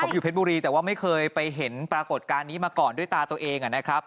ผมอยู่เพชรบุรีแต่ว่าไม่เคยไปเห็นปรากฏการณ์นี้มาก่อนด้วยตาตัวเองนะครับ